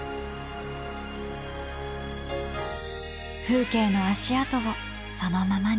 風景の足跡をそのままに。